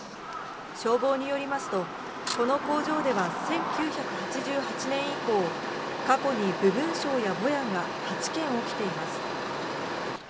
消防によりますとこの工場では１９８８年以降過去に部分焼や、ぼやが８件起きています。